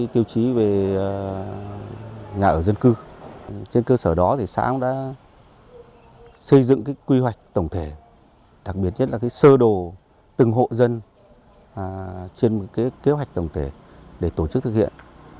trên cơ sở đó xã đã xây dựng quy hoạch tổng thể đặc biệt nhất là sơ đồ từng hộ dân trên kế hoạch tổng thể để tổ chức thực hiện